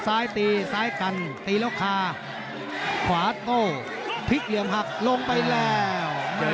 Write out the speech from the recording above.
ซ้ายตีซ้ายกันตีแล้วคาขวาโต้พลิกเหลี่ยมหักลงไปแล้ว